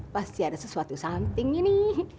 pasti ada sesuatu something ini